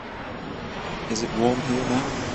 Is it warm here now?